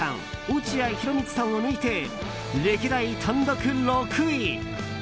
落合博満さんを抜いて歴代単独６位。